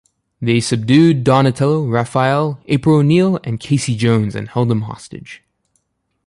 They subdued Donatello, Raphael, April O'Neil and Casey Jones and held them hostage.